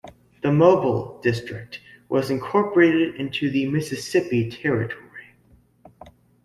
The Mobile District was incorporated into the Mississippi Territory.